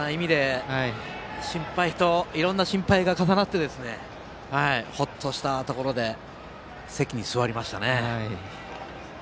いろんな心配が重なってほっとしたところで席に座りましたね。